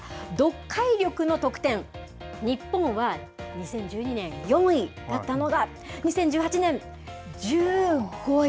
読解力の得点、日本は２０１２年４位だったのが、２０１８年、１５位。